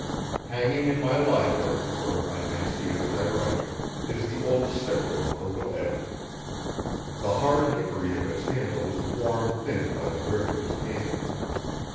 Hanging in my library, where I may see it as I write, is the old sickle of Uncle Eb. The hard hickory of its handle is worn thin by the grip of his hand.